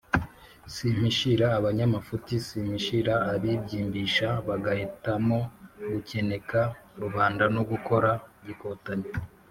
simpishira abanyamafuti, simpishira abibyimbisha bagahitamo gukeneka rubanda no gukora gikotanyi.